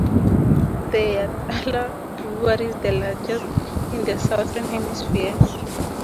The Yatala Brewery is the largest in the Southern Hemisphere.